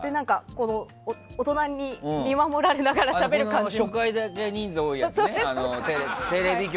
大人に見守られながらしゃべる感じ。